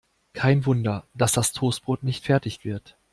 Kein Wunder, dass das Toastbrot nicht fertig wird.